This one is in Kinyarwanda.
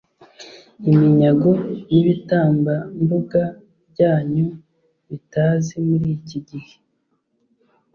Iminyago n’ibitambambuga byanyu bitazi muri iki gihe